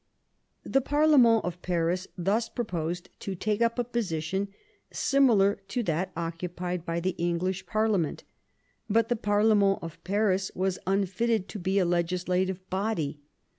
The parlemerU of Paris thus proposed to take up a position similar to that occupied by the English parlia ment. But the parlemerU of Paris was unfitted to be a legislative body.